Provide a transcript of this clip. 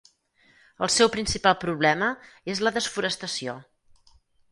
El seu principal problema és la desforestació.